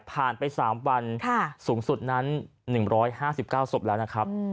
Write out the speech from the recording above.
ไป๓วันสูงสุดนั้น๑๕๙ศพแล้วนะครับ